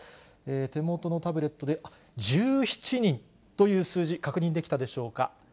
手元のタブレットで、１７人、という数字、確認できたでしょうか。